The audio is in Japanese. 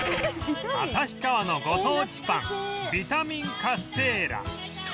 旭川のご当地パンビタミンカステーラ